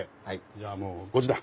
じゃあもう５時だ。